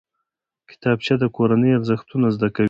کتابچه د کورنۍ ارزښتونه زده کوي